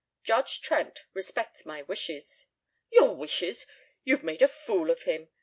"Judge Trent respects my wishes." "Your wishes! You've made a fool of him.